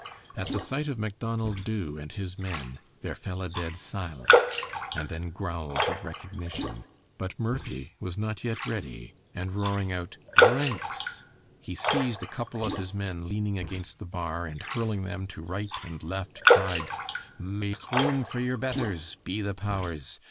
At the sight of Macdonald Dubh and his men there fell a dead silence, and then growls of recognition, but Murphy was not yet ready, and roaring out "Dh r r i n k s," he seized a couple of his men leaning against the bar, and hurling them to right and left, cried, "Ma a ke room for yer betthers, be the powers!